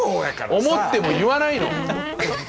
思っても言わないの。